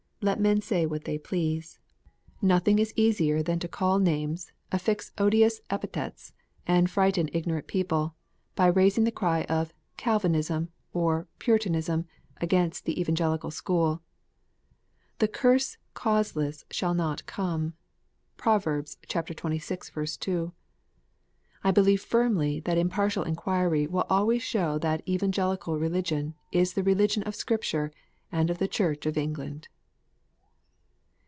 Let men say what they please. Nothing EVANGELICAL RELIGION. 9 is easier than to call names, affix odious epithets, and frighten ignorant people, by raising the cry of " Calvinism " or " Puritan ism " against the Evangelical school. " The curse causeless shall not come." (Prov. xxvi. 2.) I believe firmly that impartial inquiry will always show that Evangelical Religion is the religion of Scripture and of the Church of England.